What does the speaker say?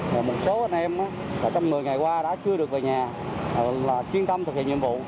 và một số anh em trong một mươi ngày qua đã chưa được về nhà là chuyên tâm thực hiện nhiệm vụ